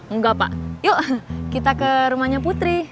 enggak pak yuk kita ke rumahnya putri